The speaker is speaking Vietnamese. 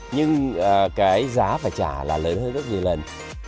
nhưng cái giá phải trả là lớn hơn rất nhiều lần